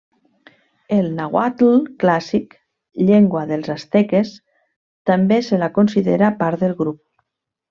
El nàhuatl clàssic, llengua dels asteques, també se la considera part del grup.